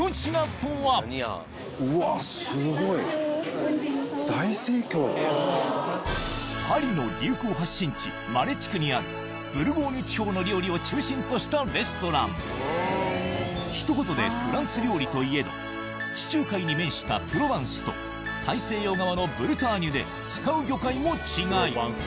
そこはパリの流行発信地マレ地区にあるブルゴーニュ地方の料理を中心としたレストランひと言でフランス料理といえど地中海に面したプロバンスと大西洋側のブルターニュで使う魚介も違い